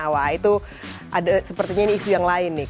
wah itu sepertinya ini isu yang lain nih